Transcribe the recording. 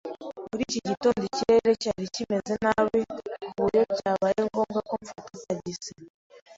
Muri iki gitondo ikirere cyari kimeze nabi ku buryo byabaye ngombwa ko mfata tagisi.